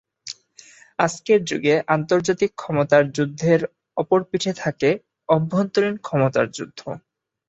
আজকের যুগে আন্তর্জাতিক ক্ষমতার যুদ্ধের অপর পিঠে থাকে অভ্যন্তরীণ ক্ষমতার যুদ্ধ।